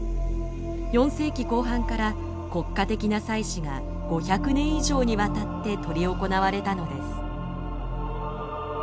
４世紀後半から国家的な祭祀が５００年以上にわたって執り行われたのです。